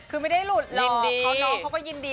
คือไม่ได้หลุดหรอกเค้ายินดี